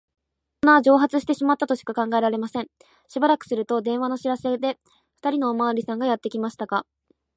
くせ者は蒸発してしまったとしか考えられません。しばらくすると、電話の知らせで、ふたりのおまわりさんがやってきましたが、